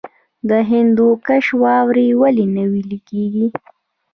د هندوکش واورې ولې نه ویلی کیږي؟